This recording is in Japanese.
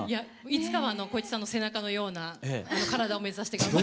いつかは光一さんの背中のような体を目指して頑張りたいです。